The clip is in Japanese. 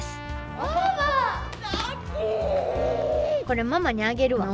これママにあげるわ。